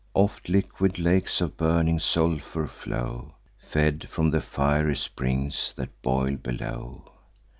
Oft liquid lakes of burning sulphur flow, Fed from the fiery springs that boil below.